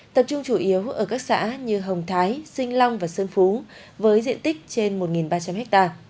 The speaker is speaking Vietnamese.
tập trung chủ yếu ở các xã như hồng thái sinh long và sơn phú với diện tích trên một ba trăm linh ha